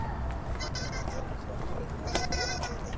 kata vipande vya viazi lishe